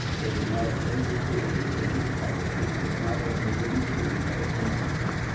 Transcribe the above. There was not a friendly favor within his power which would not have been freely given, had it been asked.